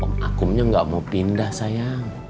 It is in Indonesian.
om akumnya gak mau pindah sayang